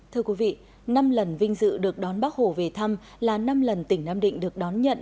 thưa quý vị năm lần vinh dự được đón bác hồ về thăm là năm lần tỉnh nam định được đón nhận